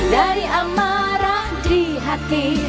dari amarah di hati